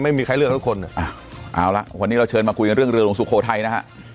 ไม่มีใครเลือกทุกคนอ่ะเอาละวันนี้เราเชิญมาคุยกันเรื่องเรือหลวงสุโขทัยนะฮะ